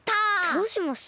どうしました？